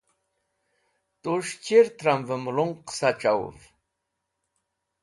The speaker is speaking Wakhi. Tus̃h chir tramvẽ mẽlung qẽsa c̃hawũv.